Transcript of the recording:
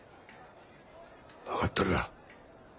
分かっとるわ。